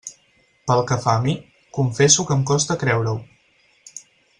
Pel que fa a mi, confesso que em costa creure-ho.